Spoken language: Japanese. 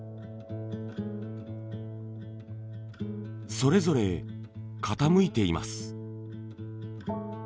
それぞれ傾いています。